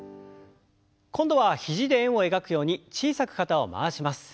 今度は肘で円を描くように小さく肩を回します。